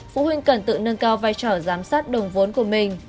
phụ huynh cần tự nâng cao vai trò giám sát đồng vốn của mình